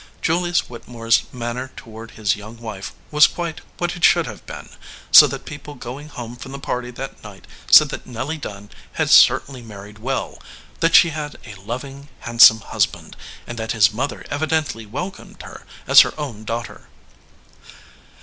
Julius Whittemore s manner toward his young wife was quite what it should have been, so that people go ing home from the party that night said that Nelly Dunn had certainly married well, that she had a loving, handsome husband, and that his mother evi dently welcomed her as her own daughter.